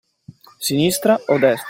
Sinistra o destra?